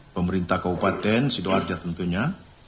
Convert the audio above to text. pemerintah kabupaten sidoarjo tentunya